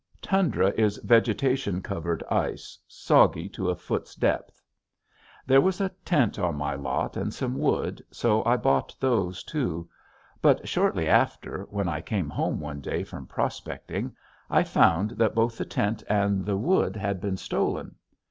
(Tundra is vegetation covered ice, soggy to a foot's depth.) There was a tent on my lot and some wood, so I bought those too. But shortly after when I came home one day from prospecting I found that both the tent and the wood had been stolen.